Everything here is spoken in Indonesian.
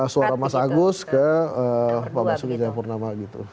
suara mas agus ke pak masuki jampurnama